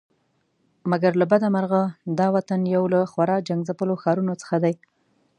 مګر له بده مرغه دا وطن یو له خورا جنګ ځپلو ښارونو څخه دی.